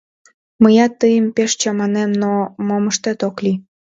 Мыят тыйым пеш чаманем, но мом ыштет, ок лий.